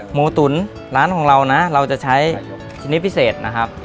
หมูตุ๋นร้านของเรานะเราจะใช้ชนิดพิเศษนะครับ